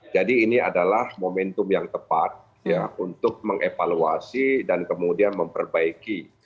jadi ini adalah momentum yang tepat untuk mengevaluasi dan kemudian memperbaiki